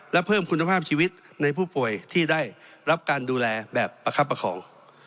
และเพิ่มคุณภาพชีวิตในผู้ป่วยที่ได้รับการดูแลแบบประคับประคอง